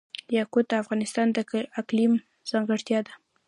یاقوت د افغانستان د اقلیم ځانګړتیا ده.